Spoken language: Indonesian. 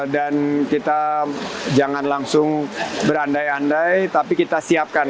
dan kita jangan langsung berandai andai tapi kita siapkan